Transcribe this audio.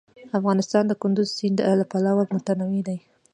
افغانستان د کندز سیند له پلوه متنوع دی.